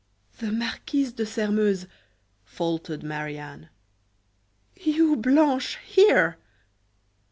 "The Marquise de Sairmeuse," faltered Marie Anne. "You, Blanche here!"